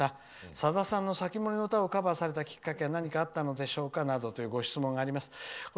さださんの「防人の詩」をカバーされたきっかけは何かあったのでしょうか？」とご質問があります。